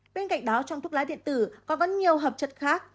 bên cạnh đó trong thuốc lá điện tử còn vẫn nhiều hợp chất khác